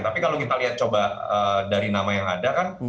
tapi kalau kita lihat coba dari nama yang ada kan